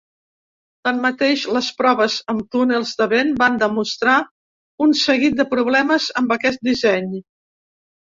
Tanmateix, les proves amb túnels de vent van demostrar un seguit de problemes amb aquest disseny.